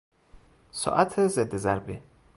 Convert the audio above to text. ساعت ضد ضربه